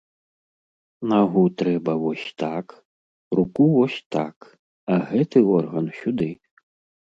Нагу трэба вось так, руку вось так, а гэты орган сюды.